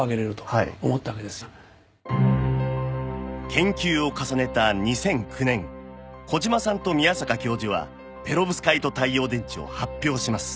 研究を重ねた２００９年小島さんと宮坂教授はペロブスカイト太陽電池を発表します